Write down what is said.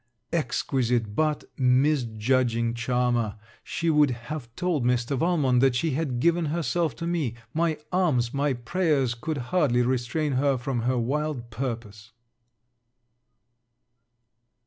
_ Exquisite, but misjudging charmer! She would have told Mr. Valmont, that she had given herself to me. My arms my prayers could hardly restrain her from her wild purpose.